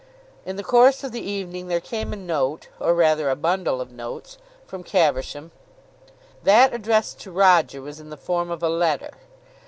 In the course of the evening there came a note, or rather a bundle of notes, from Caversham. That addressed to Roger was in the form of a letter.